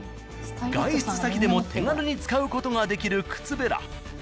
外出先でも手軽に使う事ができる靴べら。